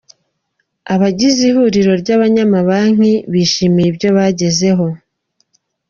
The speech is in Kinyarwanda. Abagize ihuriro ry’abanyamabanki bishimiye ibyo bagezeho